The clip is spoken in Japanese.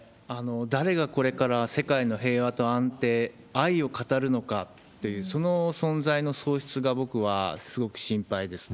誰がこれから世界の平和と安定、愛を語るのかっていう、その存在の喪失が、僕はすごく心配です。